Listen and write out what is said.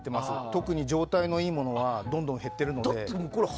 特に状態のいいものはどんどん減ってるので。